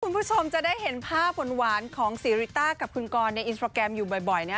คุณผู้ชมจะได้เห็นภาพหวานของซีริต้ากับคุณกรในอินสตราแกรมอยู่บ่อยนะ